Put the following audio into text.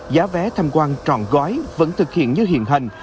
giá vé tham quan tròn gói vẫn thực hiện như hiện hành